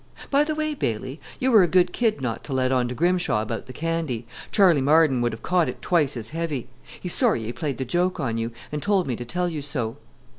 By the way, Bailey, you were a good kid not to let on to Grimshaw about the candy. Charley Marden would have caught it twice as heavy. He's sorry he played the joke on you, and told me to tell you so.